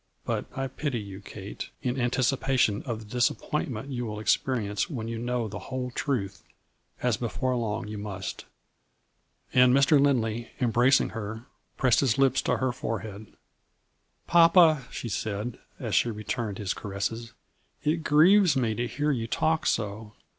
151 but I pity you, Kate, in anticipation of the dis appointment you will experience when you know the whole truth, as before long you must." And Mr. Lindley, embracing her, pressed his lips to her forehead. " Papa," she said, as she returned his caresses, " it grieves me to hear you talk so.